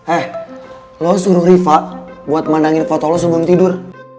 eh lo suruh rifa buat memandangin foto lo sebelum tidur